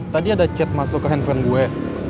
tadi ada chat masuk ke handphone gue